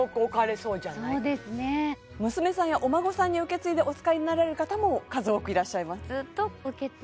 そうですね娘さんやお孫さんに受け継いでお使いになられる方も数多くいらっしゃいます